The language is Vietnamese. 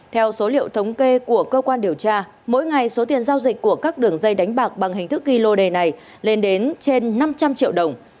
theo số liệu thống kê của cơ quan điều tra mỗi ngày số tiền giao dịch của các đường dây đánh bạc bằng hình thức ghi lô đề này lên đến trên năm trăm linh triệu đồng